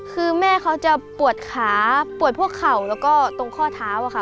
คือแม่เขาจะปวดขาปวดพวกเข่าแล้วก็ตรงข้อเท้าค่ะ